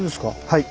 はい。